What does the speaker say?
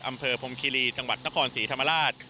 อำเภอพรมคีรีจังหวัดนครศรีธรรมราช